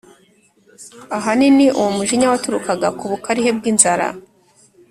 Ahanini, uwo mujinya waturukaga ku bukarihe bw’inzara